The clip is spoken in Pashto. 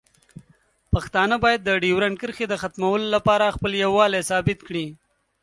پښتانه باید د ډیورنډ کرښې د ختمولو لپاره خپل یووالی ثابت کړي.